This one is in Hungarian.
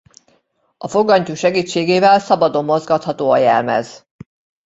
A fogantyú segítségével szabadon mozgatható a jelmez.